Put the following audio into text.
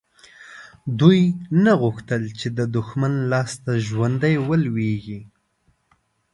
دوی نه غوښتل چې د دښمن لاسته ژوندي ولویږي.